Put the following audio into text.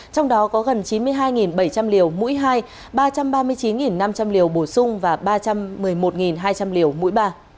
trong đó có gần chín mươi hai bảy trăm linh liều mũi hai ba trăm ba mươi chín năm trăm linh liều bổ sung và ba trăm một mươi một hai trăm linh liều mũi ba